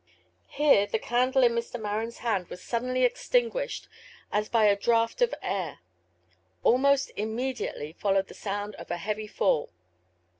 Here the candle in Mr. MarenŌĆÖs hand was suddenly extinguished as by a draught of air. Almost immediately followed the sound of a heavy fall.